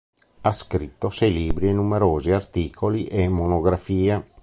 Ha scritto sei libri e numerosi articoli e monografie.